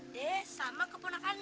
de sama keponakannya